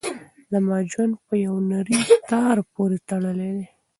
زما ژوند په یوه نري تار پورې تړلی دی.